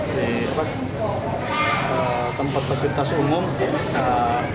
tempat fasilitas umum